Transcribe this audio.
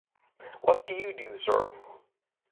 What do you do, sir?